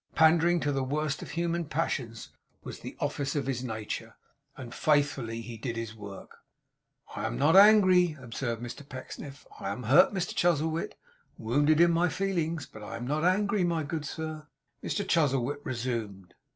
Pandering to the worst of human passions was the office of his nature; and faithfully he did his work!' 'I am not angry,' observed Mr Pecksniff. 'I am hurt, Mr Chuzzlewit; wounded in my feelings; but I am not angry, my good sir.' Mr Chuzzlewit resumed.